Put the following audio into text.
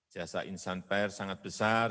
jasa insan pers sangat besar